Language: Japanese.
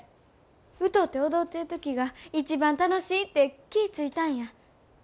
歌うて踊ってる時が一番楽しいって気ぃ付いたんや。